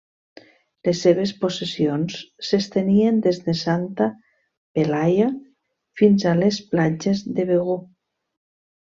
Les seves possessions s'estenien des de Santa Pelaia fins a les platges de Begur.